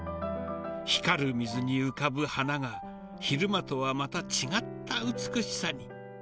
光る水に浮かぶ花が、昼間とはまた違った美しさに。